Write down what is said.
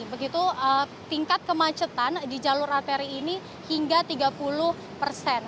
begitu tingkat kemacetan di jalur arteri ini hingga tiga puluh persen